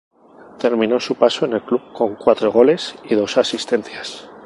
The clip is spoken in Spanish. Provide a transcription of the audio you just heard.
Terminó su paso en el club con cuatro goles y dos asistencias.